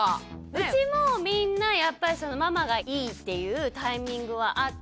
うちもみんなやっぱりそのママがいいっていうタイミングはあって。